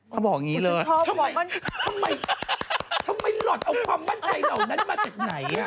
เขาบอกอย่างนี้เลยทำไมทำไมหลอดเอาความมั่นใจเหล่านั้นมาจากไหน